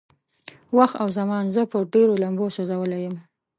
وخت او زمان زه په ډېرو لمبو سوځولی يم.